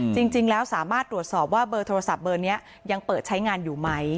จริงแล้วสามารถตรวจสอบว่าเบอร์โทรศัพท์เบอร์นี้ยังเปิดใช้งานอยู่ไหม